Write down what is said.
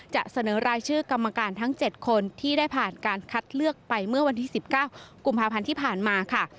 จะเสนอรายชื่อกรรมการทั้ง๗คนที่ได้ผ่านการคัดเลือกไปเมื่อวันที่๑๙กุมภาพันธ์ที่ผ่านมาค่ะ